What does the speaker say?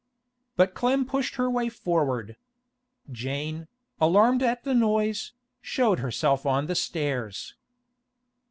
But Clem pushed her way forward. Jane, alarmed at the noise, showed herself on the stairs.